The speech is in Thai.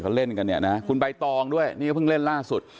เขาเล่นกันเนี่ยนะคุณใบตองด้วยนี่ก็เพิ่งเล่นล่าสุด